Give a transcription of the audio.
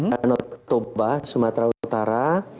danotoba sumatera utara